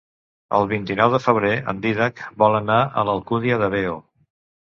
El vint-i-nou de febrer en Dídac vol anar a l'Alcúdia de Veo.